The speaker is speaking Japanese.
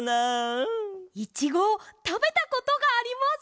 いちごをたべたことがあります！